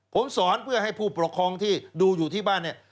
ผมสอนเพื่อให้ผู้ปกครองที่ดูอยู่ที่บ้านเนี่ย